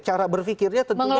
cara berfikirnya tentunya berbeda